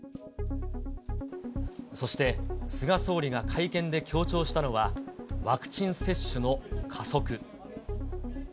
そして、菅総理が会見で強調したのは、ワクチン接種の加速。